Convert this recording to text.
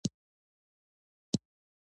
جلګه د افغانستان طبعي ثروت دی.